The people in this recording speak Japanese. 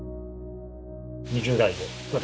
２０代で私